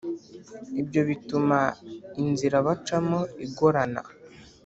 ibyo bituma inzira bacamo igorana